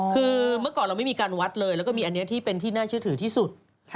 คือเมื่อก่อนเราไม่มีการวัดเลยแล้วก็มีอันนี้ที่เป็นที่น่าเชื่อถือที่สุด